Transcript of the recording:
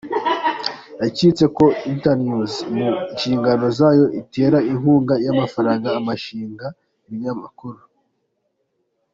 Yacyetse ko Internews mu nshingano zayo itera inkunga y’amafaranga abashinga ibinyamakuru.